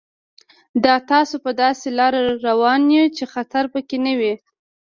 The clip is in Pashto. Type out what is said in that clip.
دا تاسو په داسې لار روانوي چې خطر پکې نه وي.